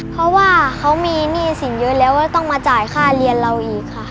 เพราะว่าเขามีหนี้สินเยอะแล้วก็ต้องมาจ่ายค่าเรียนเราอีกค่ะ